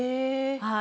はい。